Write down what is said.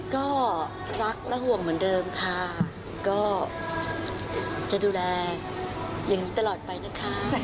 ก็รักและห่วงเหมือนเดิมค่ะก็จะดูแลอย่างนี้ตลอดไปนะคะ